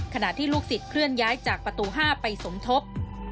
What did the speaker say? ขณะที่ลูกศิษย์เคลื่อนย้ายจากประตู๕ไปสมทบ